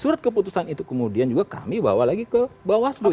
surat keputusan itu kemudian juga kami bawa lagi ke bawaslu